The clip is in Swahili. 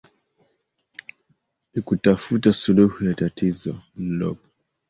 likutafuta suluhu ya tatizo lilopo